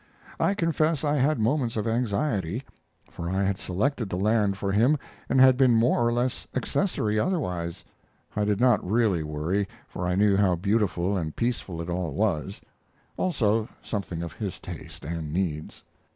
I confess I had moments of anxiety, for I had selected the land for him, and had been more or less accessory otherwise. I did not really worry, for I knew how beautiful and peaceful it all was; also something of his taste and needs.